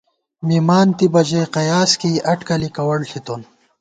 مِمانتِبہ ژَئی قیاس کېئی ، اٹکلی کَوَڑ ݪِتون